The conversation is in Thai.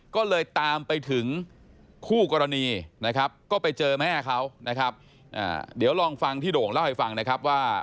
ก็เลยตามไปถึงคู่กรณีนะครับก็ไปเจอแม่เขานะครับเดี๋ยวลองฟังที่โด่งเล่าให้ฟังนะครับว่า